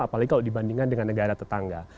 apalagi kalau dibandingkan dengan negara tetangga